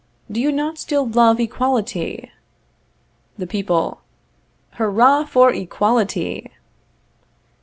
Do you not still love equality? The People. Hurrah for EQUALITY!